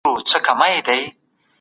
د جرګې په وروستۍ ورځ د پای دعا څوک کوي؟